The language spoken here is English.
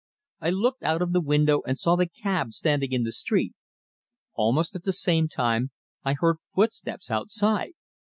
I looked out of the window and saw the cab standing in the street. Almost at the same time I heard footsteps outside.